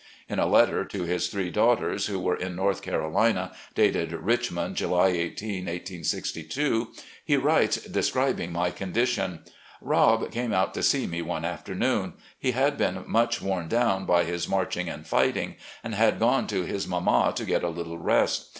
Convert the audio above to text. In a letter to his three daughters who were in North Carolina, dated Richmond, July 18, 1862, he writes describing my condition :" Rob came out to see me one afternoon. He had been much worn down by his marching and fighting, and had gone to his mamma to get a little rest.